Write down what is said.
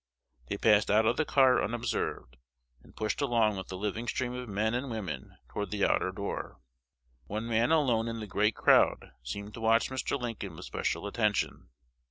They passed out of the car unobserved, and pushed along with the living stream of men and women toward the outer door. One man alone in the great crowd seemed to watch Mr. Lincoln with special attention.